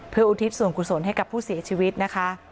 เพื่ออุทิศส่วนกุศลให้กับผู้เสียชีวิตนะคะ